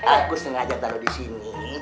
aku sengaja taruh disini